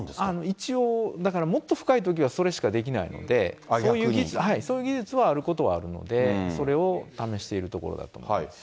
一応、だからもっと深いときはそれしかできなくて、そういう技術はあることはあるので、それを試しているところだと思います。